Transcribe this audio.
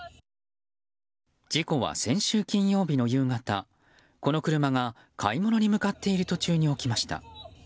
事故は先週金曜日の夕方この車が買い物に向かっている途中に起きました。